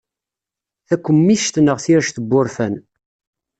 Takemmict neɣ tirect n wurfan.